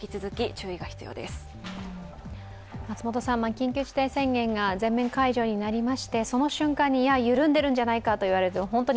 緊急事態宣言が全面解除になりましてその瞬間に緩んでるんじゃないかと言われる。